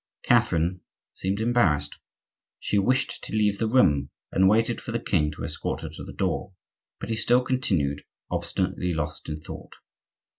Catherine seemed embarrassed. She wished to leave the room, and waited for the king to escort her to the door; but he still continued obstinately lost in thought.